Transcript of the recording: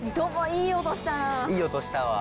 いい音したわ。